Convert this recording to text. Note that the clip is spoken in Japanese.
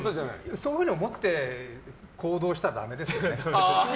そういうふうに思って行動したらダメですね。